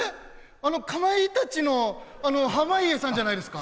あのかまいたちの濱家さんじゃないですか？